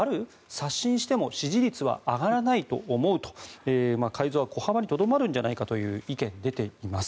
刷新しても支持率は上がらないと思うと改造は小幅にとどまるんじゃないか問う意見が出ております。